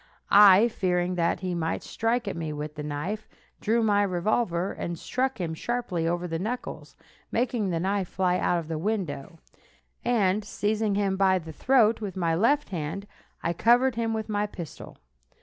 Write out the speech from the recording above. I, fearing that he might strike at me with the knife, drew my revolver and struck him sharply over the knuckles, making the knife fly out of the window, and seizing him by the throat with my left hand, I covered him with my pistol.